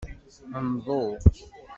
Nḍu.